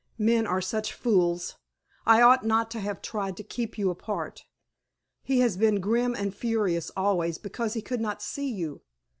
"Men are such fools. I ought not to have tried to keep you apart. He has been grim and furious always because he could not see you.